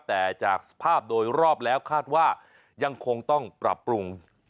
แต่จากภาพโดยรอบแล้วคาดว่ายังคงต้องปรับปรุงต่อเนื่องนะครับ